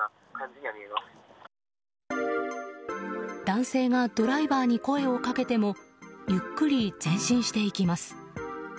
男性がドライバーに声をかけてもゆっくり前進していきます。